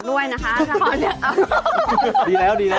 โหดีแล้วดีแล้ว